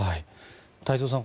太蔵さん